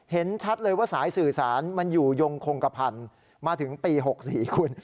เห็นชัดเลยว่าสายสื่อสารมันอยู่ยงคงกระพันธ์มาถึงปี๖๔คุณ